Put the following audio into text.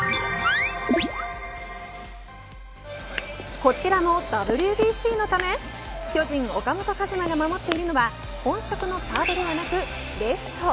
こちらもＷＢＣのため巨人、岡本和真が守っているのは本職のサードではなくレフト。